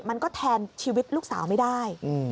มันก็แทนชีวิตลูกสาวไม่ได้